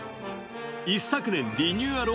一昨年リニューアル